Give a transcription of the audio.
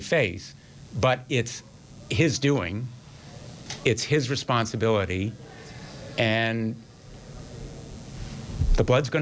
มันแข็งแบบนี้และขัดขัด